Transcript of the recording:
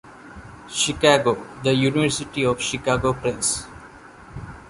Chicago: The University of Chicago Press.